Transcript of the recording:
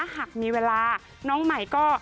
หากมีเวลาน้องใหม่ก็